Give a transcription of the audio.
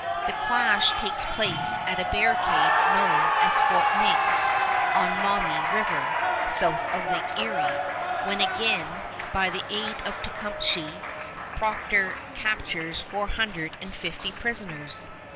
The clash takes place at a barricade known as Fort Meigs on Maumee River, south of Lake Erie, when again, by the aid of Tecumseh, Procter captures four hundred and fifty prisoners.